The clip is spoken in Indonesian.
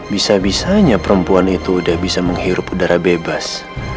bisa bisanya perempuan itu udah bisa menghirup udara bebas